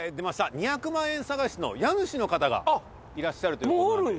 ２００万円探しの家主の方がいらっしゃるという事なんで。